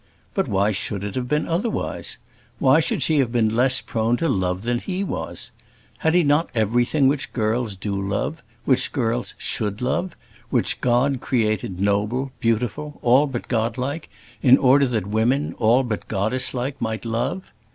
But why should it have been otherwise? Why should she have been less prone to love than he was? Had he not everything which girls do love? which girls should love? which God created noble, beautiful, all but godlike, in order that women, all but goddesslike, might love?